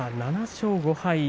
７勝５敗。